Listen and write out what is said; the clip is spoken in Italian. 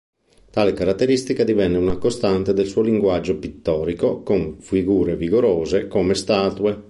Tale caratteristica divenne una costante del suo linguaggio pittorico, con figure vigorose come statue.